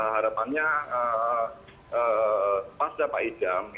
harapannya pas pak idam ini sudah muncul